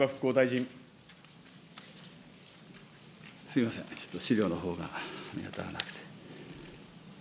すみません、ちょっと資料のほうが見当たらなくて。